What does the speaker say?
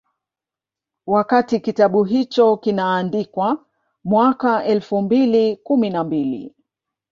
Wakati kitabu hicho kinaandikwa mwaka elfu mbili kumi na mbili